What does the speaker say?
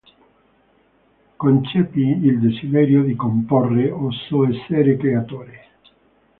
Concepì il desiderio di comporre, osò essere creatore.